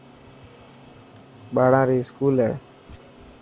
ٻاڙا ري اسڪول هي.